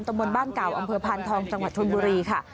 บนบ้านเก่าอำเภอพานทองจังหวัดชนบุรีค่ะ